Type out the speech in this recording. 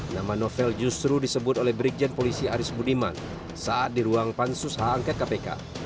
nama novel justru disebut oleh brigjen polisi aris budiman saat di ruang pansus hak angket kpk